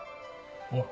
おい。